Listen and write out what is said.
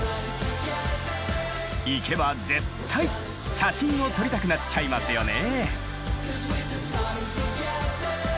行けば絶対写真を撮りたくなっちゃいますよね。